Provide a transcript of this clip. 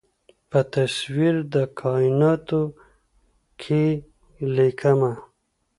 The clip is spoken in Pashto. په تصویر د کائیناتو کې ليکمه